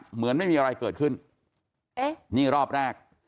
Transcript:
เหมือนไม่มีอะไรเกิดขึ้นรอบแรกนี้